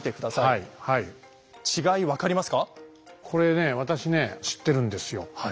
これね私ね知ってるんですよ。